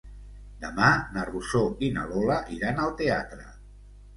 Demà na Rosó i na Lola iran al teatre.